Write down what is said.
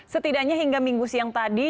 setidaknya hingga minggu siang tadi